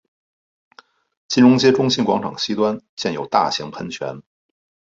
金融街中心广场西端建有大型喷泉。